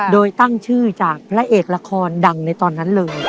โดยตั้งชื่อจากพระเอกละครดังในตอนนั้นเลย